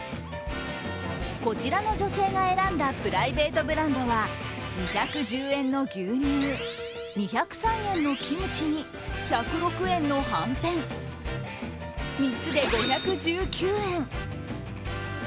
こちらの女性が選んだプライベートブランドは２１０円の牛乳２０３円のキムチに１０６円のはんぺん、３つで５１９円。